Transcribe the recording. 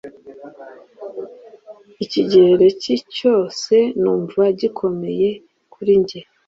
Ikigereki cyose numva gikomeye kuri njye